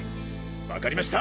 わかりました！